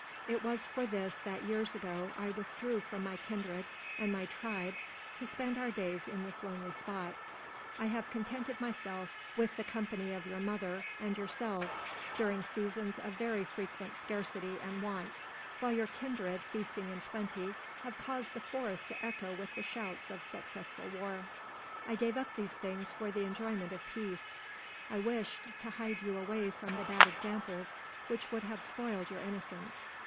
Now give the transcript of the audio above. It was for this that years ago I withdrew from my kindred and my tribe to spend our days in this lonely spot. I have contented myself with the company of your mother and yourselves, during seasons of very frequent scarcity and want, while your kindred, feasting in plenty, have caused the forests to echo with the shouts of successful war. I gave up these things for the enjoyment of peace. I wished to hide you away from the bad examples which would have spoiled your innocence.